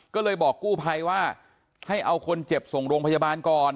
ก็เลยบอกกู้ภัยว่าให้เอาคนเจ็บส่งโรงพยาบาลก่อน